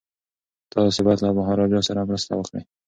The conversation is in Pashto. تاسي باید له مهاراجا سره مرسته وکړئ.